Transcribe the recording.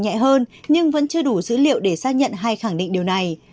nhẹ hơn nhưng vẫn chưa đủ dữ liệu để xác nhận hay khẳng định điều này